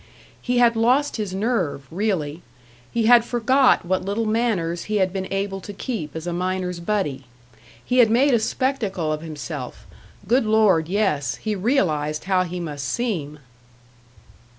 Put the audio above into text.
He had lost his nerve, really; he had forgot what little manners he had been able to keep as a miner's buddy. He had made a spectacle of himself; good Lord yes, he realised how he must seem!